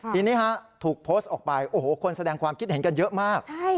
ทีนี้ถูกโพสต์ออกไปโอ้โหคนแสดงความคิดเห็นกันเยอะมาก